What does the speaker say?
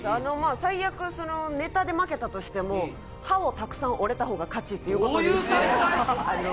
最悪、ネタで負けたとしても、歯がたくさん折れたほうが勝ちということにして。